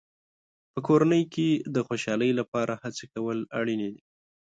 په کورنۍ کې د خوشحالۍ لپاره هڅې کول اړینې دي.